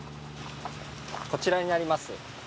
こちらになります。